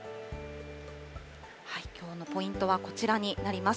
きょうのポイントはこちらになります。